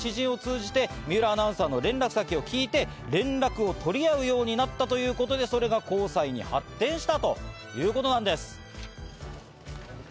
中村さんが共通の知人を通じて水卜アナウンサーの連絡先を聞いて連絡を取り合うようになったということで、それが交際に発展したということなんです。